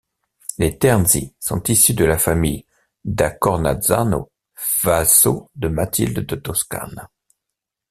Les Terzi sont issus de la famille da Cornazzano, vassaux de Mathilde de Toscane.